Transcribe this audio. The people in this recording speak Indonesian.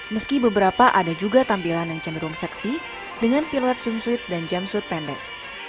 meski beberapa ada juga tampilan yang cenderung seksi dengan siluet swimsuit dan jumpsuit pendek